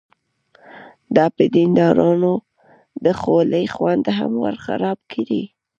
دا به د دیندارانو د خولې خوند هم ورخراب کړي.